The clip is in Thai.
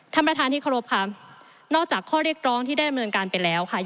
ท่านประธานที่เคารพค่ะนอกจากข้อเรียกร้องที่ได้ดำเนินการไปแล้วค่ะ